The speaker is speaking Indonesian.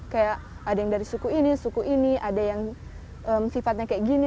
kayak ada yang dari suku ini suku ini ada yang sifatnya kayak gini